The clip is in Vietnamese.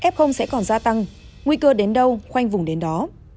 f sẽ còn gia tăng nguy cơ đến đâu khoanh vùng đến đó